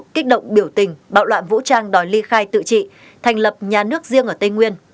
kích động biểu tình bạo loạn vũ trang đòi ly khai tự trị thành lập nhà nước riêng ở tây nguyên